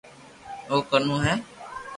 او ڪنو ھي